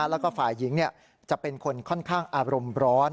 แล้วก็ฝ่ายหญิงจะเป็นคนค่อนข้างอารมณ์ร้อน